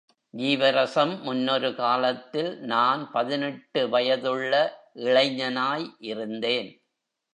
ஜீவரசம் முன்னொரு காலத்தில் நான் பதினெட்டு வயதுள்ள இளைஞனாய் இருந்தேன்.